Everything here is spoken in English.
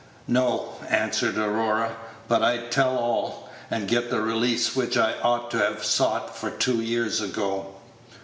"No," answered Aurora; "but I'd tell all, and get the release which I ought to have sought for two years ago."